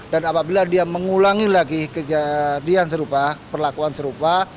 dan apabila dia mengulangi lagi kejadian serupa perlakuan serupa